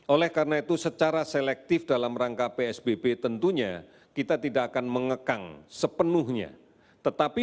oleh karena itu secara selektif dalam rangka psbb tentunya kita tidak akan mengekang sepenuhnya tetapi